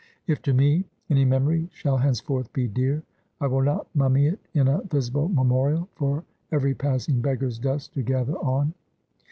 If to me any memory shall henceforth be dear, I will not mummy it in a visible memorial for every passing beggar's dust to gather on.